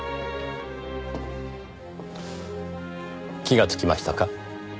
気がつきましたか？